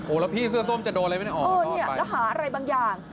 โอ้แล้วพี่เสื้อส้มจะโดนอะไรไหมอ๋อนี่แล้วหาอะไรบางอย่าง